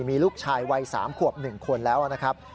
มีลูกชายวัย๓ขวบ๑คนแล้วนะครับ